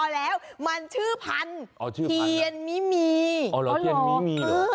อ๋อแล้วมันชื่อพันเทียนมีมีอ๋อเหรอเทียนมีมีเหรอ